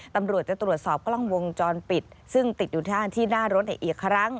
ตำรวจจะตรวจสอบกล้องวงจรปิดซึ่งติดอยู่ที่หน้ารถอีกครั้ง